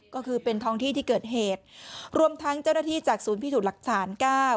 ก็คือเป็นท้องที่ที่เกิดเหตุรวมทั้งเจ้าหน้าที่จากศูนย์พิสูจน์หลักฐานเก้า